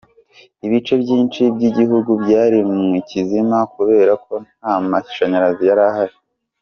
Ibice byinshi by’igihugu byari mu kizima kubera ko nta mashanyarazi yari ahari.